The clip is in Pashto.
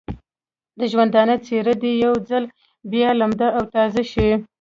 د ژوندانه څېره دې یو ځل بیا لمده او تازه شي.